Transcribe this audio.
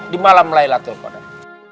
di malam laylatul qadar